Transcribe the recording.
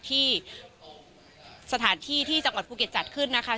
ที่สถานที่ที่จังหวัดภูเก็ตจัดขึ้นนะคะ